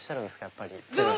やっぱり。